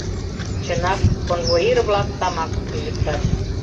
Чынак, конвоир-влак тамакым пижыктат.